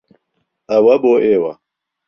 ئەوە بۆ ئێوە.